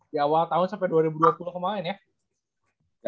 di awal tahun sampai dua ribu dua puluh kemarin ya